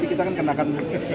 kita akan kenakan